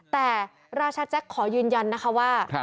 แต่ราชาแจ็คขอยืนยันนะคะว่า